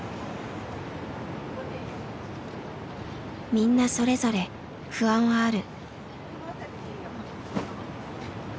みんなそれぞれ不安はある。